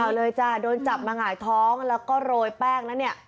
เอาเลยจ้ะโดนจับมาหงายท้องแล้วก็โรยแป้งแล้วเนี่ย